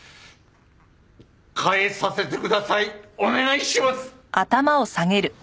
返させてくださいお願いします！